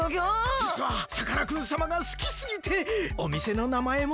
じつはさかなクンさまがすきすぎておみせのなまえも。